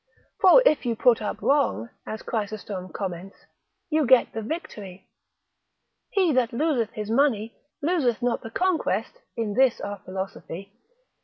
For if you put up wrong (as Chrysostom comments), you get the victory; he that loseth his money, loseth not the conquest in this our philosophy.